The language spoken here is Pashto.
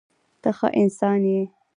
ته ښه انسان یې.